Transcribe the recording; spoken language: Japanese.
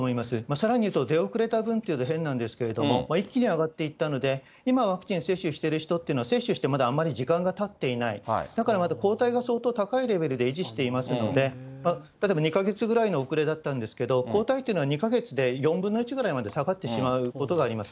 さらにいうと、出遅れた分というと変なんですけれども、一気に上がっていったので、今ワクチン接種した人っていうのは、接種してまだあまり時間がたっていない、だからまだ抗体が相当高いレベルで維持していますので、例えば２か月ぐらいの遅れだったんですけれども、抗体っていうのは、２か月で４分の１ぐらいまで下がってしまうことがあります。